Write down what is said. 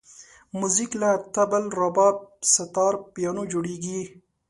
موزیک له طبل، رباب، ستار، پیانو جوړېږي.